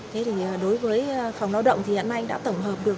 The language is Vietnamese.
thế thì đối với phòng lao động thì hiện nay anh đã tổng hợp được